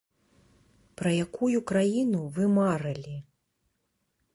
Пра якую краіну вы марылі?